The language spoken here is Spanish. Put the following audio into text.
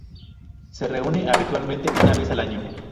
Se reúne habitualmente una vez al año.